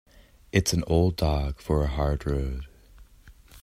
It's an old dog for a hard road.